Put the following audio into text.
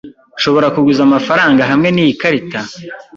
Nshobora kuguza amafaranga hamwe niyi karita?